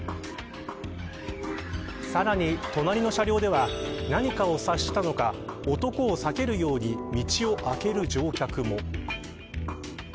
さらに隣の車両では何かを察したのか男を避けるように道を開ける乗客も。